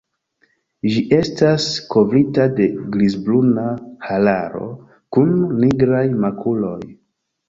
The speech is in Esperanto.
Ĝi estas kovrita de grizbruna hararo kun nigraj makuloj.